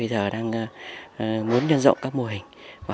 thì đang muốn nhân rộng các mô hình và